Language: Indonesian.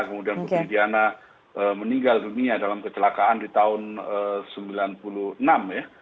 kemudian putri diana meninggal dunia dalam kecelakaan di tahun sembilan puluh enam ya